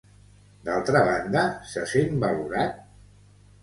D'altra banda, se sent valorat?